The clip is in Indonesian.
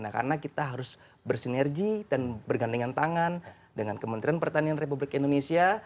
karena kita harus bersinergi dan bergandingan tangan dengan kementerian pertanian republik indonesia